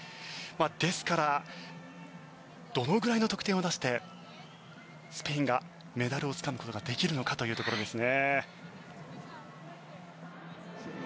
ですからどのぐらいの得点を出してスペインがメダルをつかむことができるのかというところですね。